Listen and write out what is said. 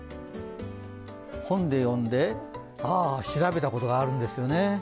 本で読んで、調べたことがあるんですよね。